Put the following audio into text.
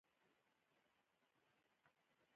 هېڅوک خپل کار د ټولنې له اړتیا سره سم نه برابروي